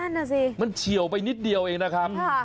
นั่นน่ะสิมันเฉียวไปนิดเดียวเองนะครับ